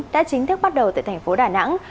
đã chính thức bắt đầu tại thành phố đà nẵng